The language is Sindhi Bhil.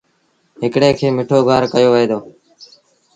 هڪڙي کي مٺو گُوآر ڪهيو وهي دو۔